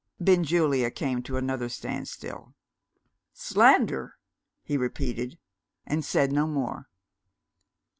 Benjulia came to another standstill. "Slander?" he repeated and said no more.